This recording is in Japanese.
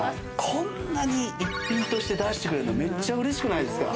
こんなに一品として出してくれるのメッチャうれしくないですか？